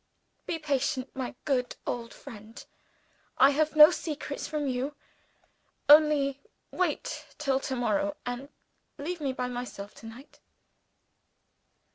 Be patient, my good old friend; I have no secrets from you. Only wait till to morrow; and leave me by myself to night."